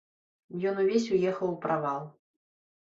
Ён увесь уехаў у правал.